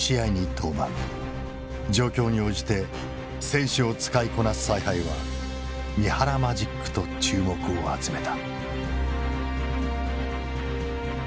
状況に応じて選手を使いこなす采配は三原マジックと注目を集めた。